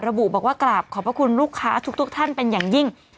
ระบุบอกว่ากราบขอบพระคุณลูกค้าทุกท่านเป็นอย่างยิ่ง